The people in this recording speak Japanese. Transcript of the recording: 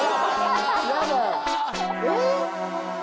えっ？